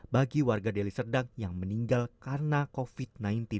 bagi warga deli serdang yang meninggal karena covid sembilan belas